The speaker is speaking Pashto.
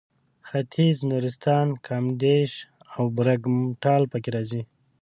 ختیځ نورستان کامدېش او برګمټال پکې راځي.